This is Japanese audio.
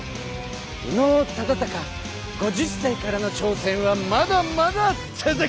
伊能忠敬５０歳からのちょう戦はまだまだ続く！